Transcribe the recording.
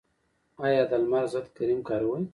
ایا د لمر ضد کریم کاروئ؟